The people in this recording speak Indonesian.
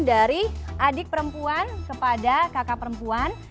dari adik perempuan kepada kakak perempuan